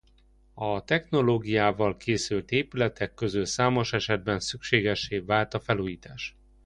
A technológiával készült épületek közül számos esetben szükségessé vált a felújítás.